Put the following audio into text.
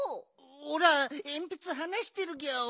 おらえんぴつはなしてるギャオ。